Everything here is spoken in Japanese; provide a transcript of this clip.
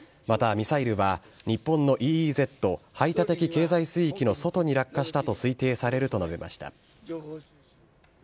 また、ミサイルは日本のＥＥＺ・排他的経済水域の外に落下したと推定されると述べました。